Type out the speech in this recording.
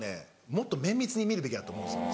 もっと綿密に見るべきだと思うんですよ。